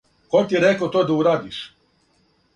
Ко ти је то рекао да урадиш?